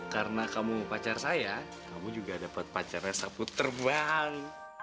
karena kamu pacar saya kamu juga dapat pacarnya sapu terbang